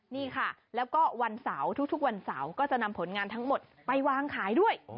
นี่ค่ะแล้วก็วันเสาร์ทุกวันเสาร์ก็จะนำผลงานทั้งหมดไปวางขายด้วย